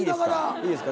いいですか？